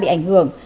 bị ảnh hưởng